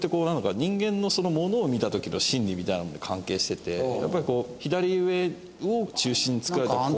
人間のものを見た時の心理みたいなものに関係しててやっぱりこう左上を中心に作られてる構図は。